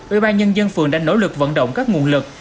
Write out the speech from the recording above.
ủy ban nhân dân phường đã nỗ lực vận động các nguồn lực